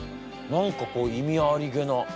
何かこう意味ありげな。